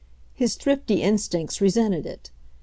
His thrifty instincts resented it.